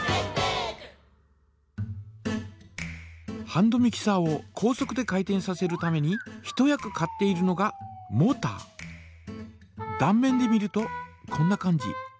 ハンドミキサーを高速で回転させるために一役買っているのがだん面で見るとこんな感じ。